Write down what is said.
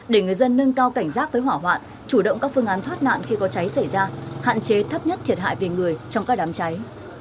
để người dân nâng cao cảnh giác với hỏa hoạn chủ động các phương án thoát nạn khi có cháy xảy ra hạn chế thấp nhất thiệt hại về người trong các đám cháy